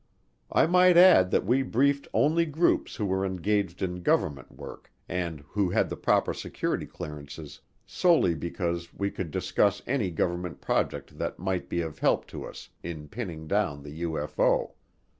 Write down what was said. I might add that we briefed only groups who were engaged in government work and who had the proper security clearances solely because we could discuss any government project that might be of help to us in pinning down the UFO.